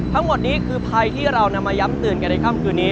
ทั้งหมดนี้คือภัยที่เรานำมาย้ำเตือนกันในค่ำคืนนี้